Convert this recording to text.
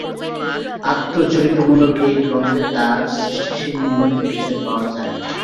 আত্মচরিতমূলক এ গ্রন্থে তাঁর সৃষ্টিশীল মনের পরিচয় পাওয়া যায়।